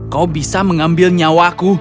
kau bisa mengambil nyawaku